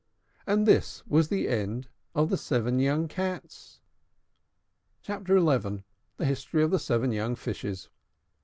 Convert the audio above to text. And this was the end of the seven young Cats. CHAPTER XI. THE HISTORY OF THE SEVEN YOUNG FISHES.